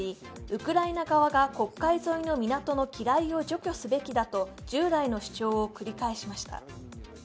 ウクライナ側が黒海沿いの港の機雷を除去すべきだと従来の主張を繰り返しました。